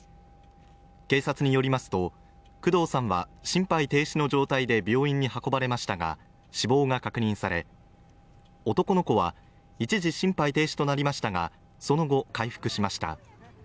警察によりますと、工藤さんは心肺停止の状態で病院に運ばれましたが死亡が確認され、男の子は一時、心肺停止となりましたがその後、回復しました。